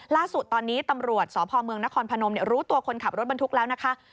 ล่าสุดตอนนี้ตำรวจสพเมืองนครพนมรู้ตัวคนขับรถบรรทุกแล้วนะคะ